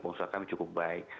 pengusaha kami cukup baik